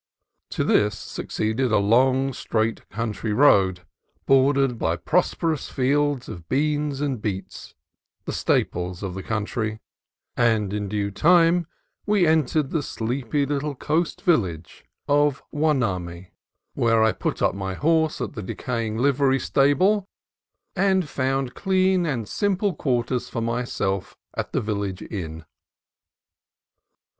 To this succeeded a long, straight county road, bordered by prosperous fields of beans and beets, the staples of the county; and in due time we entered the sleepy little coast vil lage of Hueneme, where I put up my horse at the 74 CALIFORNIA COAST TRAILS decaying livery stable, and found clean and simple quarters for myself at the village inn.